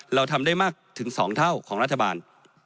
เราทำได้มากถึง๒เท่าของรัฐบาล